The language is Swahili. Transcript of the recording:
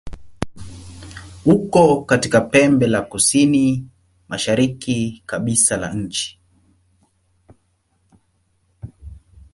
Uko katika pembe la kusini-mashariki kabisa la nchi.